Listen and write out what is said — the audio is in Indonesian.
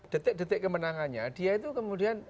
detik detik kemenangannya dia itu kemudian